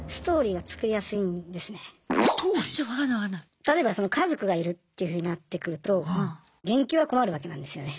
例えば家族がいるっていうふうになってくると減給は困るわけなんですよね。